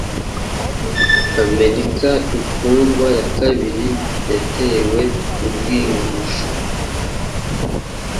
Amerika Imfungwa ya kabiri yatewe urw'ingusho